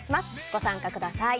ご参加ください。